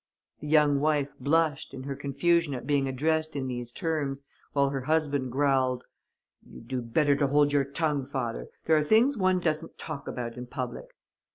"The young wife blushed, in her confusion at being addressed in these terms, while her husband growled: "'You'd do better to hold your tongue, father. There are things one doesn't talk about in public.'